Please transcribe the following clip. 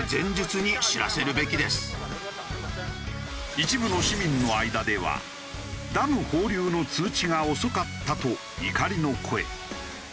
一部の市民の間では「ダム放流の通知が遅かった」と怒りの声。